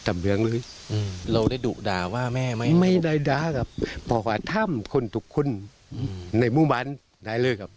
ไม่ได้ด่าพี่เถียวพ่อขวาทำคนดุขึ้นไม่ได้เลยค่ะ